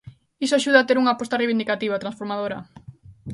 Iso axuda a ter unha aposta reivindicativa, transformadora.